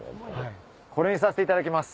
これにさせていただきます。